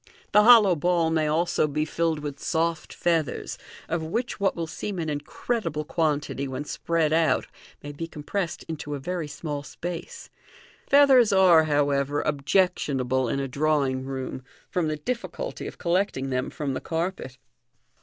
The hollow ball may also be filled with soft feathers, of which ya MODEXN MAGIL what will seem an incredible quantity when spread out may be com pressed into a very small space. Feathers are, however, objectionable in a drawing room, from the difficulty of collecting them from the carpet.